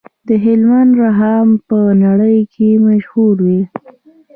د هلمند رخام په نړۍ کې مشهور دی